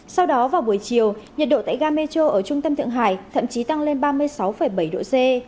sau đó vào buổi chiều nhiệt độ tại ga metro ở trung tâm thượng hải thậm chí tăng lên ba mươi sáu bảy độ c